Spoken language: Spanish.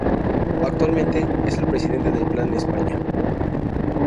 Actualmente es el Presidente del Plan España.